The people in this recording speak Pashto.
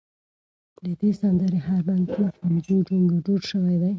د دې سندرې هر بند له پنځو جملو جوړ شوی دی.